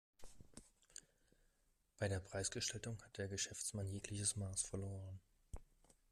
Bei der Preisgestaltung hat der Geschäftsmann jegliches Maß verloren.